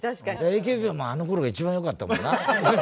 ＡＫＢはあのころが一番よかったもんな。